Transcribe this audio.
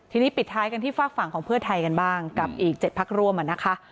ทีนี้ปิดท้ายกันที่ฝากฝั่งของเพื่อไทยกันบ้างกับอีก๗พักร่วมนะคะ